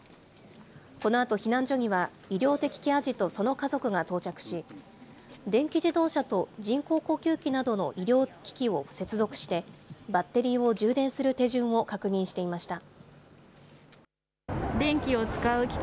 このあと、避難所には医療的ケア児とその家族が到着し、電気自動車と人工呼吸器などの医療機器を接続して、バッテリーを充電する手順を確認していました。